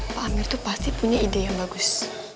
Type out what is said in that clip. pak amir itu pasti punya ide yang bagus